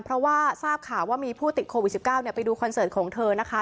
เพราะว่าทราบข่าวว่ามีผู้ติดโควิด๑๙ไปดูคอนเสิร์ตของเธอนะคะ